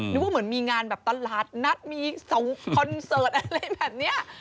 นึกว่าเหมือนมีงานต้นราดนัดมีแบบเนี้ย